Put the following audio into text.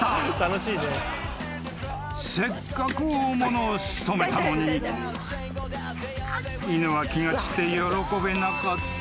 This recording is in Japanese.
［せっかく大物を仕留めたのに犬は気が散って喜べなかった］